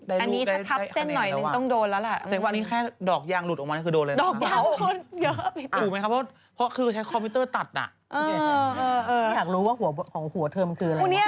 อันนี้ถ้าทับเส้นหน่อยนึงต้องโดนแล้วแหละ